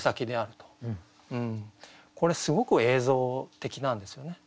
これすごく映像的なんですよね。